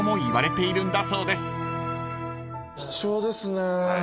貴重ですね。